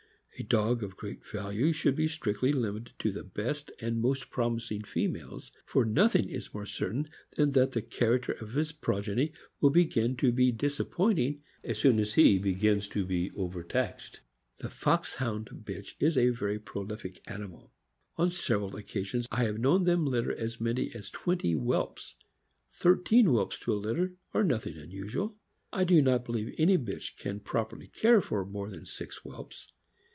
A dog of great value should be strictly limited to the best and most promising females, for nothing is more certain than that the character of his progeny will begin to be disappointing as soon as he begins to be overtaxed. The Foxhound bitch is a very prolific animal. On sev eral occasions I have known them litter as many as twenty whelps. Thirteen whelps to a litter are nothing unusual. I do not believe any bitch can properly care for more than six whelps.